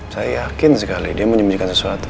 saya yakin sekali dia menyembunyikan sesuatu